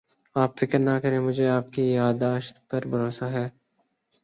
آپ فکر نہ کریں مجھے آپ کی یاد داشت پر بھروسہ ہے